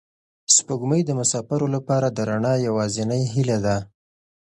سپوږمۍ د مساپرو لپاره د رڼا یوازینۍ هیله ده.